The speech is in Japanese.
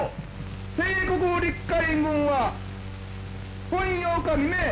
帝国陸海軍は本８日未明」。